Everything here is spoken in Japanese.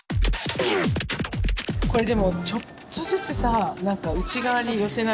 これでもちょっとずつさ何か内側に寄せないと。